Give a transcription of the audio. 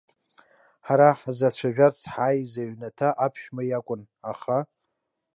Ҳара ҳзацәажәарц ҳааиз аҩнаҭа аԥшәма иакәын, аха.